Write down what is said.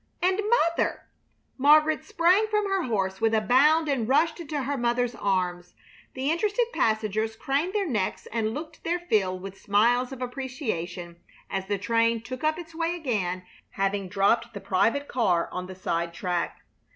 _ And MOTHER! Margaret sprang from her horse with a bound and rushed into her mother's arms. The interested passengers craned their necks and looked their fill with smiles of appreciation as the train took up its way again, having dropped the private car on the side track.